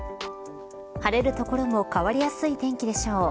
晴れる所も変わりやすい天気でしょう。